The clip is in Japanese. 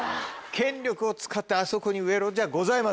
権力を使ってあそこに植えろじゃございません。